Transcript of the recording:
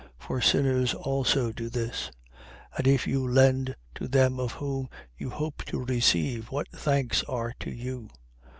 For sinners also do this. 6:34. And if you lend to them of whom you hope to receive, what thanks are to you?